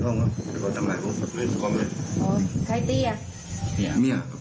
ห้องน่ะแต่ก็ทำหายห้องอ่ะที่ความเป็นใครตี้อ่ะเนี่ยเนี่ย